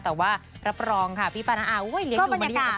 แต่ว่ารับรองค่ะพี่ป้าน้าอเลี้ยงดูมารีกับกุญแน่นอน